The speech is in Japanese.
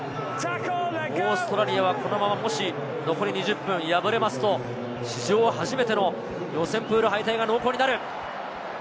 オーストラリアはこのままもし残り２０分敗れますと、史上初めての予選プール敗退が濃厚になる。